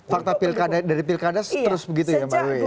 fakta dari pilkada terus begitu ya pak rewi